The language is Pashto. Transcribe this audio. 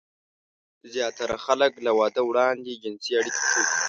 زياتره خلک له واده وړاندې جنسي اړيکې خوښوي.